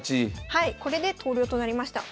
はいこれで投了となりました。